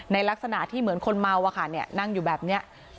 ลักษณะที่เหมือนคนเมาอะค่ะนั่งอยู่แบบนี้